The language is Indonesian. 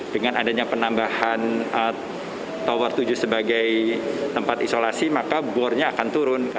dengan adanya penambahan tower tujuh sebagai tempat isolasi maka bornya akan turun